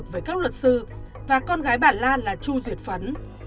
với các luật sư và con gái bà lan là chu việt phấn